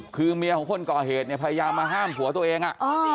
คือเมียของคนก่อเหตุเนี่ยพยายามมาห้ามผัวตัวเอง